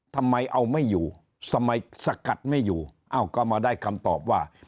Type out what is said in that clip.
ทำไมเอาไม่อยู่ทำไมสกัดไม่อยู่อ้าวก็มาได้คำตอบว่า